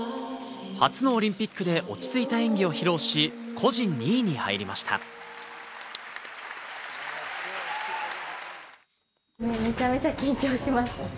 初のオリンピックで落ち着いた演技を披露し、個人２位に入りました。